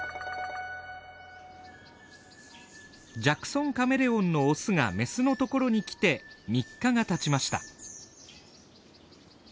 ジャクソンカメレオンのオスがメスのところに来て３日がたちました。